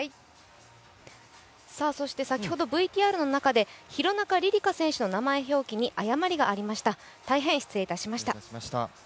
先ほどＶＴＲの中で廣中璃梨佳選手の名前の表記に誤りがありました、大変失礼いたしました。